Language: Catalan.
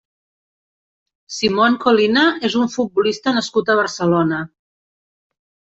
Simón Colina és un futbolista nascut a Barcelona.